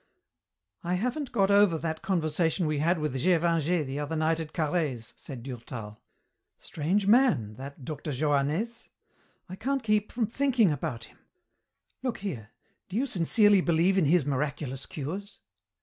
"I haven't got over that conversation we had with Gévingey the other night at Carhaix's," said Durtal. "Strange man, that Dr. Johannès. I can't keep from thinking about him. Look here, do you sincerely believe in his miraculous cures?"